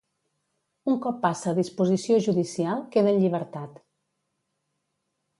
Un cop passa a disposició judicial, queda en llibertat.